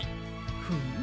フム？